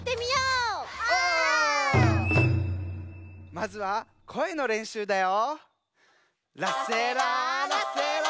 まずはこえのれんしゅうだよ。